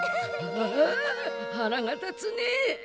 ああ腹が立つねえ。